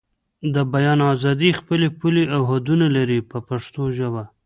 د بیان ازادي خپلې پولې او حدونه لري په پښتو ژبه.